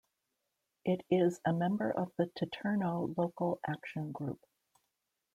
It is a member of the Titerno Local Action Group.